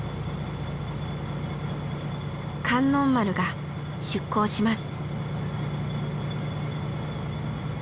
「観音丸」が出港します。